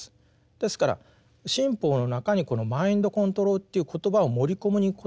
ですから新法の中にこのマインドコントロールという言葉を盛り込むことによってですね